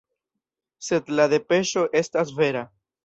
Sed la depeŝo estas vera.